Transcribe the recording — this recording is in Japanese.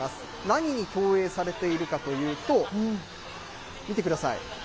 何に投影されているかというと、見てください。